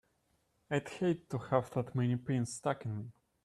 I'd hate to have that many pins stuck in me!